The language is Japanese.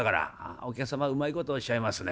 「お客様うまい事おっしゃいますね。